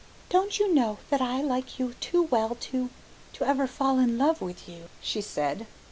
"Don't you know that I like you too well to to ever fall in love with you?" she said.